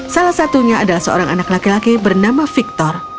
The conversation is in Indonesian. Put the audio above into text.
salah satunya adalah seorang anak laki laki bernama victor